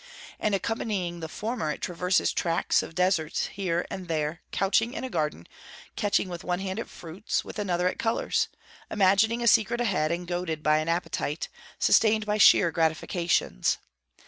and accompanying the former it traverses tracts of desert here and there couching in a garden, catching with one hand at fruits, with another at colours; imagining a secret ahead, and goaded by an appetite, sustained by sheer gratifications.